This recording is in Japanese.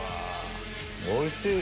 おいしい！